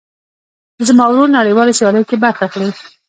زما ورور نړيوالو سیاليو کې برخه اخلي.